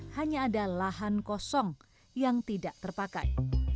hanya ada lahan kosong yang tidak terpakai